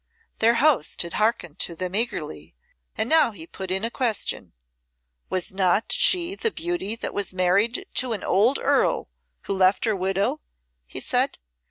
Their host had hearkened to them eagerly, and now he put in a question. "Was not she the beauty that was married to an old Earl who left her widow?" he said.